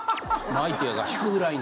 相手が引くぐらいの。